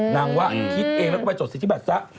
นางว่าคิดเองแล้วก็ไปจดสิทธิบัติซะ